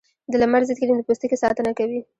د لمر ضد کریم د پوستکي ساتنه کوي